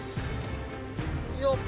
よっ！